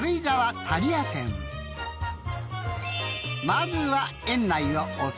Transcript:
［まずは］